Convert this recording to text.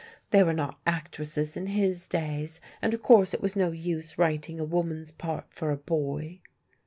There were not actresses in his days, and of course it was no use writing a woman's part for a boy."